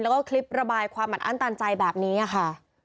แล้วก็คลิประบายความอัดอั้นตันใจแบบนี้ค่ะ